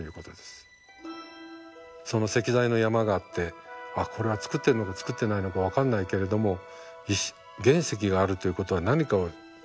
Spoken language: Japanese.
その石材の山があってああこれは作ってんのか作ってないのか分かんないけれども石原石があるということは何かを作ろうとしてるんだろう。